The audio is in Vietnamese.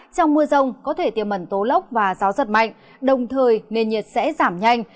trong mưa rông có thể tiềm mẩn tố lốc và gió giật mạnh đồng thời nền nhiệt sẽ giảm nhanh